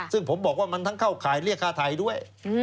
ซึ่งผมบอกว่ามันทั้งเข้าข่ายเรียกค่าไทยด้วย